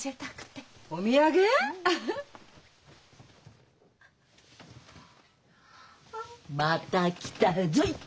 うん。また来たぞい！